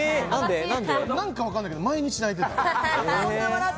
なんかわかんないけど、毎日泣いてた。